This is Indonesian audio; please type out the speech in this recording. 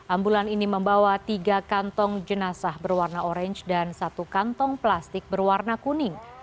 ambulan ini membawa tiga kantong jenazah berwarna orange dan satu kantong plastik berwarna kuning